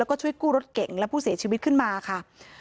แล้วก็ช่วยกู้รถเก่งและผู้เสียชีวิตขึ้นมาค่ะ